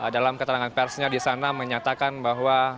dalam keterangan persnya di sana menyatakan bahwa